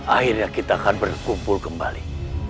akhirnya kita akan berkumpul kembali